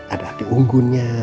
ada api unggunnya